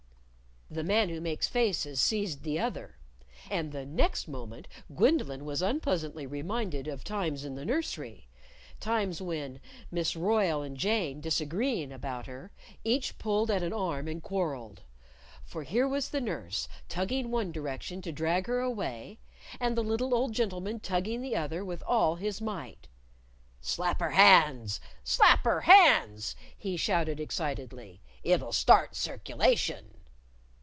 The Man Who Makes Faces seized the other. And the next moment Gwendolyn was unpleasantly reminded of times in the nursery, times when, Miss Royle and Jane disagreeing about her, each pulled at an arm and quarreled. For here was the nurse, tugging one direction to drag her away, and the little old gentleman tugging the other with all his might. "Slap her hands! Slap her hands!" he shouted excitedly. "It'll start circulation."